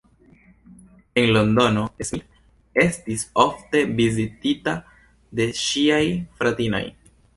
En Londono, Smith estis ofte vizitita de ŝiaj fratinoj.